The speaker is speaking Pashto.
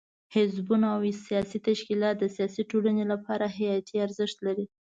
حزبونه او سیاسي تشکیلات د سیاسي ټولنې لپاره حیاتي ارزښت لري.